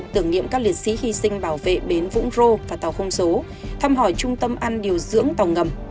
tưởng niệm các liệt sĩ hy sinh bảo vệ bến vũng rô và tàu không số thăm hỏi trung tâm ăn điều dưỡng tàu ngầm